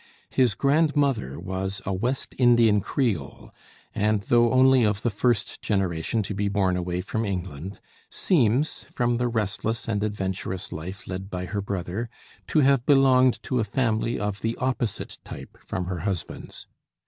His grandmother was a West Indian Creole, and though only of the first generation to be born away from England, seems, from the restless and adventurous life led by her brother, to have belonged to a family of the opposite type from her husband's.